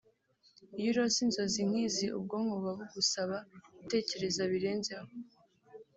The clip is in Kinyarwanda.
Iyo urose inzozi nk'izi ubwonko buba bugusaba gutekereza birenzeho